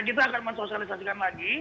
kita akan mensosialisasikan lagi